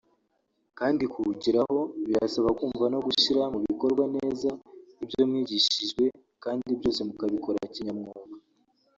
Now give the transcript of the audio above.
kandi kuwugeraho birabasaba kumva no gushyira mu bikorwa neza ibyo mwigishijwe kandi byose mukabikora kinyamwuga